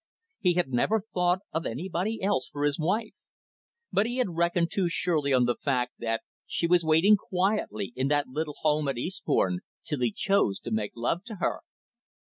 He had never thought of anybody else for his wife. But he had reckoned too surely on the fact that she was waiting quietly in that little home at Eastbourne, till he chose to make love to her.